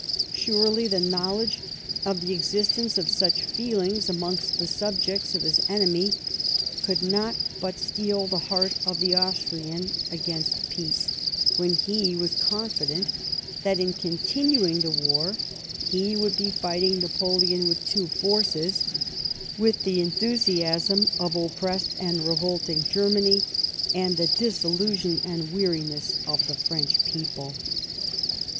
Surely, the knowledge of the existence of such feelings among the subjects of his enemy could not but steel the heart of the Austrian against peace, when he was con fident that in continuing the war he would be fightiny Napoleon with two forces: with the enthusiasm of oppressed and revolting Germany; and the disillusion and weariness of the French people.